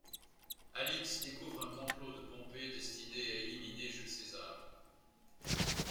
Alix découvre un complot de Pompée destiné à éliminer Jules César.